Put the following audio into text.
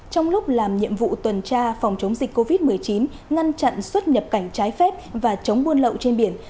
trong lúc làm nhiệm vụ tuần tra phòng chống dịch covid một mươi chín ngăn chặn xuất nhập cảnh trái phép và chống buôn lậu trên biển